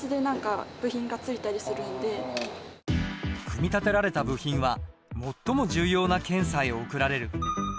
組み立てられた部品は最も重要な検査へ送られる。